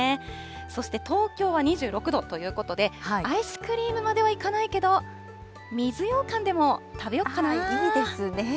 そして、東京は２６度ということで、アイスクリームまではいかないけど、水ようかんでも食べよういいですね。